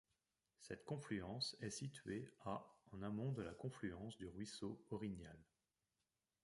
Cette confluence est située à en amont de la confluence du ruisseau Orignal.